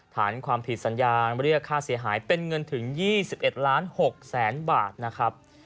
ฐานความผิดสัญญาณเรียกค่าเสียหายเป็นเงินถึง๒๑ล้าน๖แสนบาทนะครับ